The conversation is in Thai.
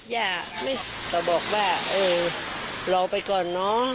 แย่ส่งเดี๋ยวบอกว่าเออรอไปก่อนเนอะ